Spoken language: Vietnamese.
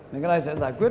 nên cái này sẽ giải quyết